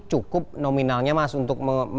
cukup nominalnya mas untuk